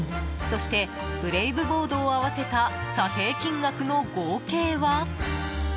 そしてブレイブボードを合わせた査定金額の合計は？